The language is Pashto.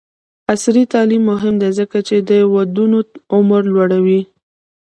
عصري تعلیم مهم دی ځکه چې د ودونو عمر لوړوي.